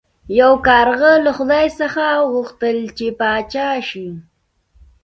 یو کارغه له خدای څخه وغوښتل چې پاچا شي.